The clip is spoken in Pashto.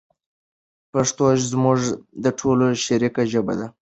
پښتو زموږ د ټولو شریکه ژبه ده.